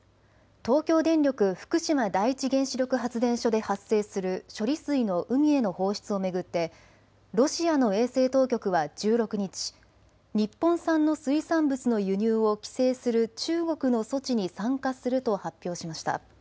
東京電力福島第一原子力発電所で発生する処理水の海への放出を巡ってロシアの衛生当局は１６日、日本産の水産物の輸入を規制する中国の措置に参加すると発表しました。